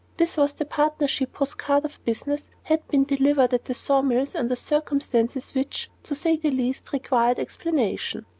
This was the partnership whose card of business had been delivered at the sawmills under circumstances which, to say the least, required explanation.